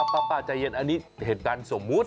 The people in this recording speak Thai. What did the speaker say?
ป้าใจเย็นอันนี้เหตุการณ์สมมุติ